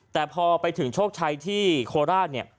แต่พอไปถึงโชคชัยที่โคลอาร์